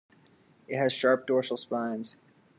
It has sharp dorsal spines.